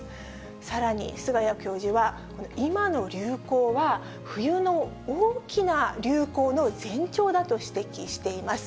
さらに、菅谷教授は今の流行は、冬の大きな流行の前兆だと指摘しています。